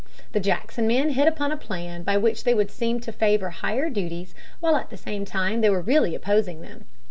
The Jackson men hit upon a plan by which they would seem to favor higher duties while at the same time they were really opposing them.